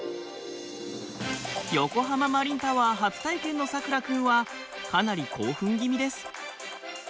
横浜マリンタワー初体験のさくら君はかなり興奮気味です。